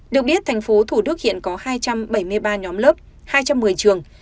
được biết tp thủ đức hiện có hai trăm bảy mươi ba nhóm lớp hai trăm một mươi trường